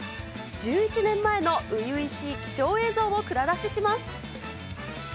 １１年前の初々しい貴重映像を蔵出しします。